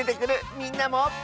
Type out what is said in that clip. みんなも。